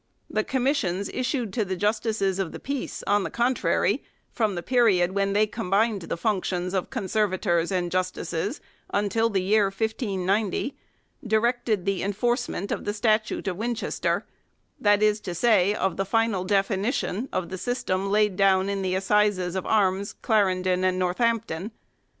The com missions issued to the justices of the peace, on the contrary, from the period when they combined the functions of conservators and justices until the year 1590, directed the enforcement of the Statute of Win chester, that is to say, of the final definition of the system laid down in the Assizes of Arms, Clarendon and Northampton.